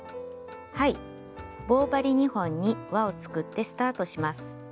棒針２本に輪を作ってスタートします。